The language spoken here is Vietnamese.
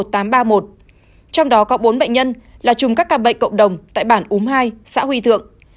trong đó có bốn bệnh nhân là chùm các ca bệnh cộng đồng tại bản úm hai xã huy thượng